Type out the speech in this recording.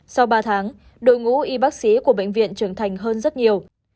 sau ba tháng đội ngũ y bác sĩ của bệnh viện trưởng thành hơn rất nhiều